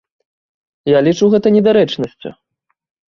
Я лічу гэта недарэчнасцю.